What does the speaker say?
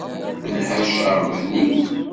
Telha cceṛba-nni?